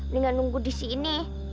tinggal nunggu di sini